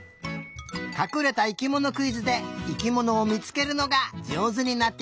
かくれた生きものクイズで生きものをみつけるのがじょうずになってきたね！